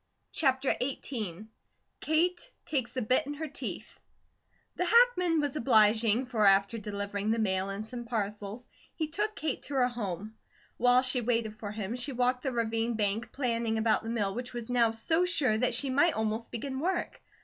CHAPTER XVIII KATE TAKES THE BIT IN HER TEETH THE hackman was obliging, for after delivering the mail and some parcels, he took Kate to her home. While she waited for him, she walked the ravine bank planning about the mill which was now so sure that she might almost begin work.